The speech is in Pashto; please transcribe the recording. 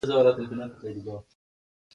زه خبر نه وم چې هرڅوک به خپلې پیسې ورکوي.